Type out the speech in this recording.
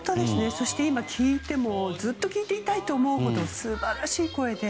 そして今聴いてもずっと聴いていたいと思うほど素晴らしい声で。